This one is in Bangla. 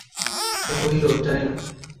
সে কহিল, জানি না।